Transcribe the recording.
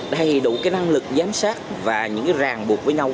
đầy đủ cái năng lực giám sát và những ràng buộc với nhau